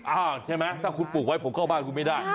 ใช่ไหมถ้าคุณปลูกไว้ผมเข้าบ้านคุณไม่ได้